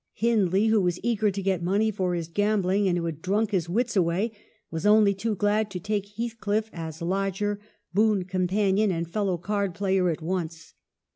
Hindley — who was eager to get money for his gambling and who had drunk his wits away — was only too glad to take Heathcliff as lodger, boon companion, and fellow card player at once.